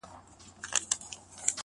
ستا د خولې سلام مي د زړه ور مات كړ.